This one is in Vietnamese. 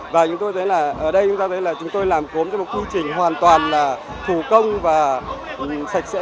và ở đây chúng ta thấy là chúng tôi làm cốm cho một quy trình hoàn toàn là thủ công và sạch sẽ